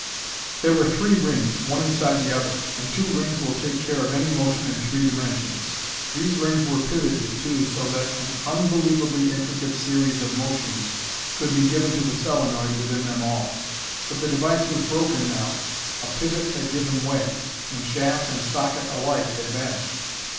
There were three rings, one inside the other. And two rings will take care of any motion in three dimensions. These rings were pivoted, too, so that an unbelievably intricate series of motions could be given to the solenoid within them all. But the device was broken, now. A pivot had given away, and shaft and socket alike had vanished.